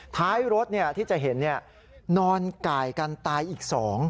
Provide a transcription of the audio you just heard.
ท้ายรถที่จะเห็นนอนไก่กันตายอีก๒